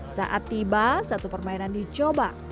saat tiba satu permainan dicoba